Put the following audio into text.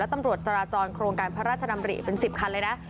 ตำรวจจราจรโครงการพระราชดำริเป็น๑๐คันเลยนะ